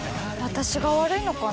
私が悪いのかな？